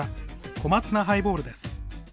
小松菜ハイボールです。